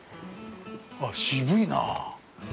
あっ、渋いなあ。